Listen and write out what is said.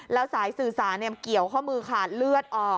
แล้วสายสื่อสารเกี่ยวข้อมือขาดเลือดออก